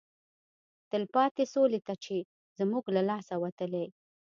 تلپاتې سولې ته چې زموږ له لاسه وتلی